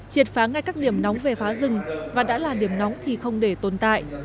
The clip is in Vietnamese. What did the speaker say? triệt phá ngay các điểm nóng về phá rừng và đã là điểm nóng thì không để tồn tại